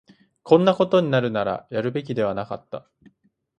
こんなことになるなら、やるべきではなかった